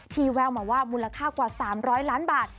แววมาว่ามูลค่ากว่า๓๐๐ล้านบาท